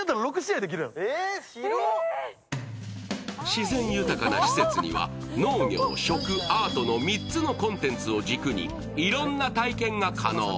自然豊かな施設には、農業、食、アートの３つのコンテンツを軸にいろんな体験が可能。